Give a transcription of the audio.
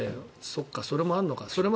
そっか、それもあるのか。